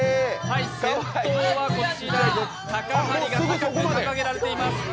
先頭は高はりが高く掲げられています。